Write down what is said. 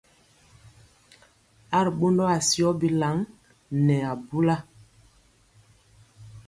A ri ɓondɔ asiyɔ bilaŋ nɛ abula.